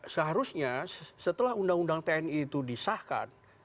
seharusnya setelah undang undang tni itu disahkan